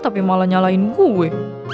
tapi malah nyalain gue